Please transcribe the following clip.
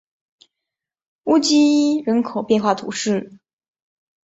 乌济伊人口变化图示